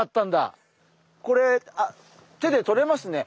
これ手でとれますね。